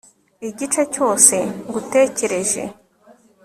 igihe cyose ngutekereje